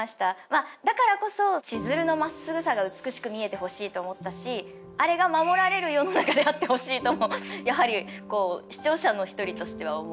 まあだからこそ千鶴のまっすぐさが美しく見えてほしいと思ったしあれが守られる世の中であってほしいともやはり視聴者の１人としては思う。